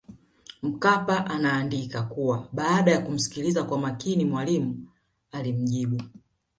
Mkapa anaandika kuwa baada ya kumsikiliza kwa makini Mwalimu alimjibu